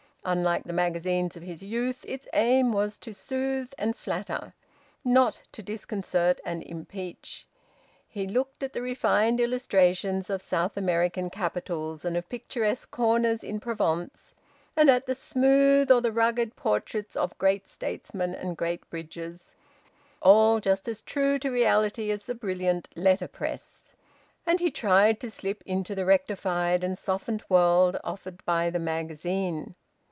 Unlike the magazines of his youth, its aim was to soothe and flatter, not to disconcert and impeach. He looked at the refined illustrations of South American capitals and of picturesque corners in Provence, and at the smooth or the rugged portraits of great statesmen and great bridges; all just as true to reality as the brilliant letterpress; and he tried to slip into the rectified and softened world offered by the magazine.